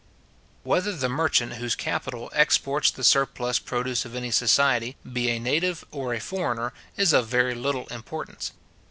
Whether the merchant whose capital exports the surplus produce of any society, be a native or a foreigner, is of very little importance.